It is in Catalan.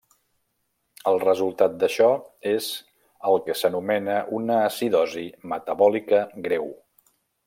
El resultat d'això és el que s'anomena una acidosi metabòlica greu.